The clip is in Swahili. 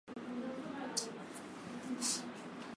ambayo yanalenga shule na kuwaambia elimu